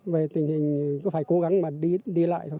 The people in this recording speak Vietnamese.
về tình hình cũng phải cố gắng mà đi lại thôi